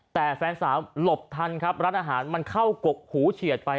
แต่แฟนสาวหลบทันครับร้านอาหารมันเข้ากกหูเฉียดไป